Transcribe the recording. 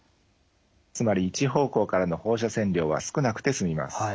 つまり一方向からの放射線量は少なくて済みます。